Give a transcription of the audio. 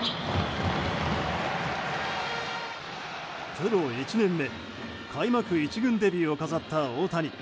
プロ１年目開幕１軍デビューを飾った大谷。